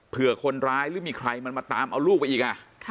เผื่อคนร้ายหรือมีใครมันมาตามเอาลูกไปอีก